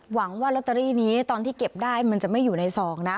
หวังว่าลอตเตอรี่นี้ตอนที่เก็บได้มันจะไม่อยู่ในซองนะ